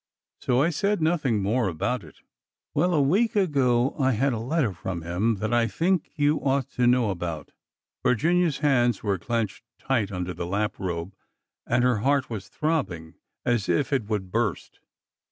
So I said nothing more about it. Well, a week ago I had a letter from him that I think you ought to know about.'' Virginia's hands were clenched tight Under the lap robe, and her heart was throbbing as if it would burst.